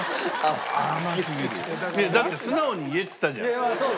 だって素直に言えっつったじゃん。